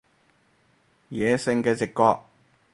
野性嘅直覺